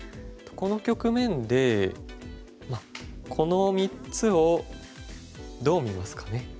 この局面でこの３つをどう見ますかね。